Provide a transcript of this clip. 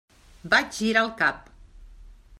Vaig girar el cap.